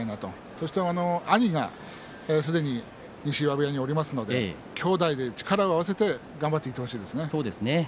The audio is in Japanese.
そして兄がすでに西岩部屋におりますので兄弟で力を合わせて頑張っていってほしいですね。